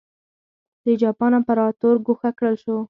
د جاپان امپراتور ګوښه کړل شو.